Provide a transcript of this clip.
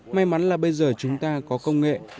may mắn là bây giờ chúng ta có công nghệ